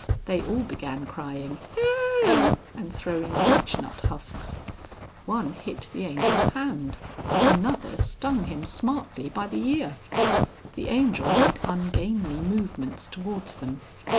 They all began crying "Oh!" and throwing beechnut husks. One hit the Angel's hand, another stung him smartly by the ear. The Angel made ungainly movements towards them.